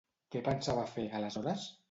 Què pensava fer, aleshores?